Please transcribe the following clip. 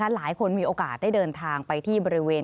หลายคนมีโอกาสได้เดินทางไปที่บริเวณ